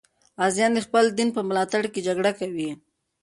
غازیان د خپل دین په ملاتړ جګړه کوي.